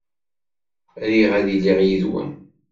Riɣ ad iliɣ yid-wen.